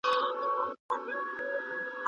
ویلچیرونه څوک کاروي؟